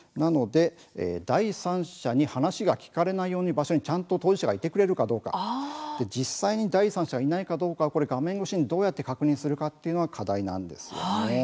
第三者に話が聞かれないような場所に、ちゃんと当事者がいてくれるかどうか実際に第三者がいないかどうかを画面越しにどうやって確認するかが課題です。